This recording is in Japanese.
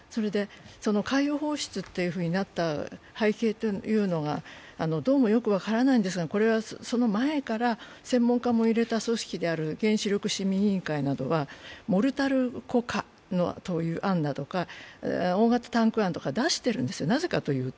海洋放出というふうになった背景というのが、どうもよく分からないのですが、これはその前から専門家も入れた組織である原子力市民委員会はモルタル固化という案だとか、大型タンク杏とか出しているんですよ。